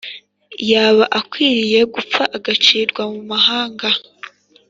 yaba akwiriye gupfa agacirwa mu mahanga